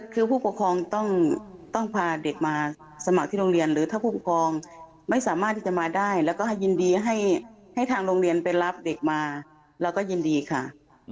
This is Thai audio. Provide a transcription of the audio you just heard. คือผู้ปกครองต้องพาเด็กมาสมัครที่โรงเรียนหรือถ้าผู้ปกครองไม่สามารถที่จะมาได้แล้วก็ยินดีให้ทางโรงเรียนไปรับเด็กมาเราก็ยินดีค่ะ